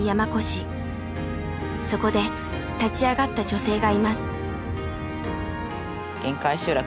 そこで立ち上がった女性がいます。